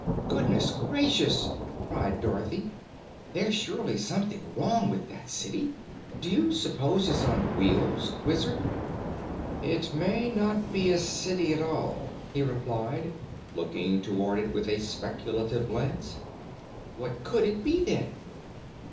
"Goodness gracious!" cried Dorothy. "There's surely something wrong with that city. Do you s'pose it's on wheels, Wizard?" "It may not be a city at all," he replied, looking toward it with a speculative glance. "What COULD it be, then?"